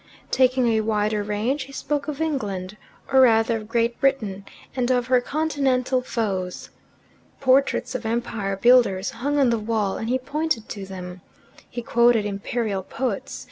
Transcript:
Taking a wider range, he spoke of England, or rather of Great Britain, and of her continental foes. Portraits of empire builders hung on the wall, and he pointed to them. He quoted imperial poets.